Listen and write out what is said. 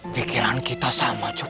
pikiran kita sama cuk